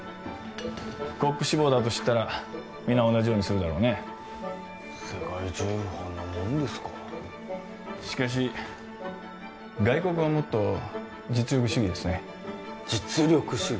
コック志望だと知ったら皆同じようにするだろうね世界中ほんなもんですかしかし外国はもっと実力主義ですね実力主義？